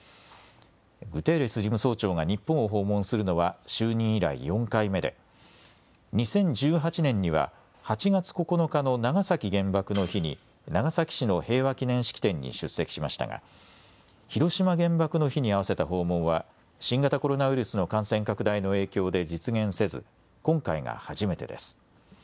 グテーレス事務総長が日本を訪問するのは就任以来４回目で２０１８年には８月９日の長崎原爆の日に長崎市の平和祈念式典に出席しましたが、広島原爆の日に合わせた訪問は新型コロナウイルスの感染拡大の影響で実現せず今回が初めてです。